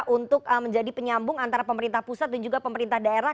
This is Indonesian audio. untuk menjadi penyambung antara pemerintah pusat dan juga pemerintah daerah